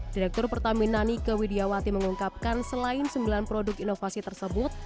direktur pertamina nike widiawati mengungkapkan selain sembilan produk inovasi tersebut